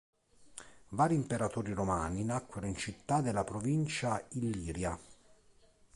Vari imperatori romani nacquero in città della provincia Illiria.